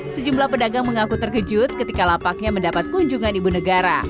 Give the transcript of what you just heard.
sejumlah pedagang mengaku terkejut ketika lapaknya mendapat kunjungan ibu negara